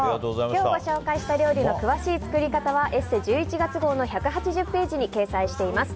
今日ご紹介した料理の詳しい作り方は「ＥＳＳＥ」１１月号の１８０ページに掲載しています。